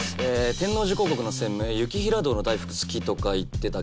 天王寺広告の専務雪平堂の大福好きとか言ってたっけ。